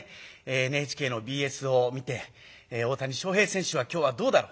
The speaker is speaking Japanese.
ＮＨＫのＢＳを見て大谷翔平選手は今日はどうだろう。